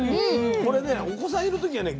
これねお子さんいる時はね